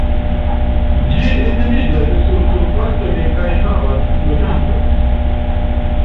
Ĝi etendiĝas sur surfaco de kaj havas loĝantojn.